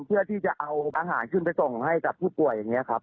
เพื่อที่จะเอาอาหารขึ้นไปส่งให้กับผู้ป่วยอย่างนี้ครับ